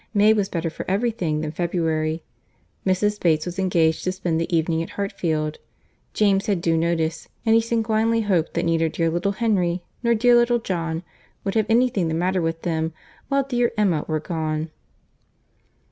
May was better for every thing than February. Mrs. Bates was engaged to spend the evening at Hartfield, James had due notice, and he sanguinely hoped that neither dear little Henry nor dear little John would have any thing the matter with them, while dear Emma were gone.